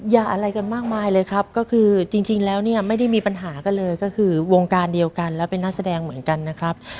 อะไรกันมากมายเลยครับก็คือจริงแล้วเนี่ยไม่ได้มีปัญหากันเลยก็คือวงการเดียวกันแล้วเป็นนักแสดงเหมือนกันนะครับ